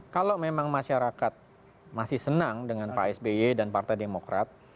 kalau memang masyarakat masih senang dengan pak sby dan partai demokrat